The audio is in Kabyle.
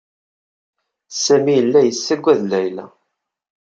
Samy yella yessaggad Layla.